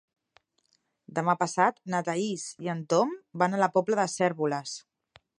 Demà passat na Thaís i en Tom van a la Pobla de Cérvoles.